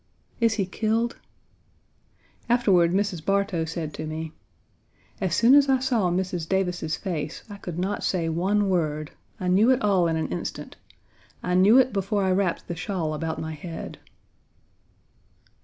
"Is he killed?" Afterward Mrs. Bartow said to me: "As soon as I saw Mrs. Davis's face I could not say one word. I knew it all in an instant. I knew it before I wrapped the shawl about my head."